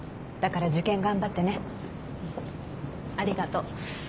だから受験頑張ってね。ありがと。